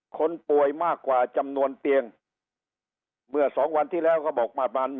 คนป่วยมากกว่าจำนวนเตียงเมื่อสองวันที่แล้วก็บอกมาประมาณ